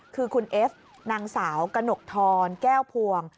คือคุณเอฟนางสาวกระหนกทรแก้วพวง